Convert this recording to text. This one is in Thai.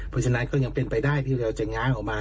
เพราะฉะนั้นก็ยังเป็นไปได้ที่เราจะง้างออกมา